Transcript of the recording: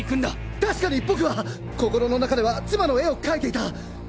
確かに僕は心の中では妻の絵を描いていた。